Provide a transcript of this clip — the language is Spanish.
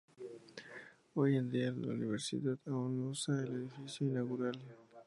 Hoy en día la universidad aún usa el edificio inaugural.